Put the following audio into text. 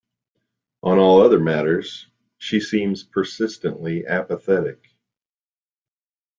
On all other matters, she seems persistently apathetic.